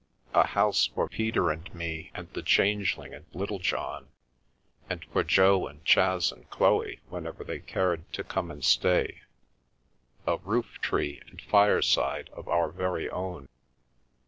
A house for Peter and me, and the Changeling and Littlejohn, and for Jo and Chas and Chloe, when ever they cared to come and stay ! A roof tree and fire side of our very own!